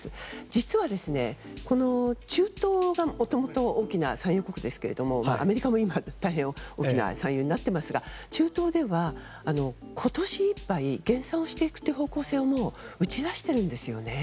実は、この中東がもともと大きな産油国ですけれどもアメリカも今、大変大きな産油になっていますが中東では今年いっぱい減産をしていくという方向性を打ち出しているんですよね。